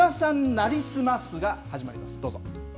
なりすますが始まります、どうぞ。